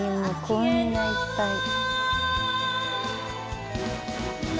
こんないっぱい。